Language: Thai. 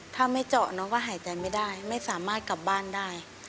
ถ้าไม่เจาะน้องก็หายใจไม่ได้ไม่สามารถกลับบ้านได้